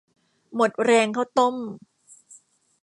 หมดแรงข้าวต้ม